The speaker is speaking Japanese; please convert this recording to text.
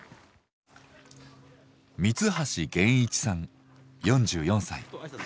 三橋源一さん４４歳。